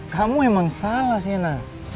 kamu emang salah sienna